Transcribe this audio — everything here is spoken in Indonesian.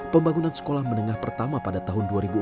pembangunan sekolah menengah pertama pada tahun dua ribu empat